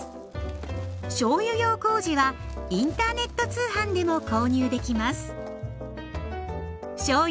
しょうゆ用こうじはインターネット通販でも購入できます。